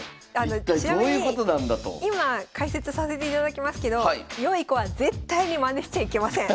ちなみに今解説させていただきますけど良い子は絶対にマネしちゃいけません！